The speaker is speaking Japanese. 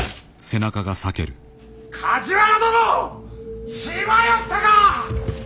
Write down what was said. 梶原殿！血迷ったか！